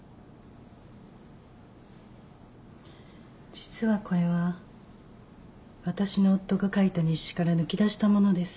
実はこれは私の夫が書いた日誌から抜き出したものです。